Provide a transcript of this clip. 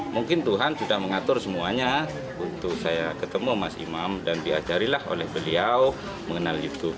mungkin tuhan sudah mengatur semuanya untuk saya ketemu mas imam dan diajarilah oleh beliau mengenal youtube